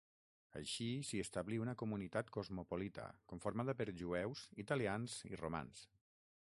Així, s'hi establí una comunitat cosmopolita, conformada per jueus, italians i romans.